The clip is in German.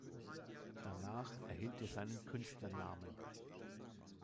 Danach erhielt er seinen Künstlernamen.